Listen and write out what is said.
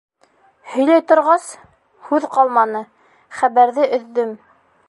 Һөйләй торғас, һүҙ ҡалманы, Хәбәрҙе өҙҙөм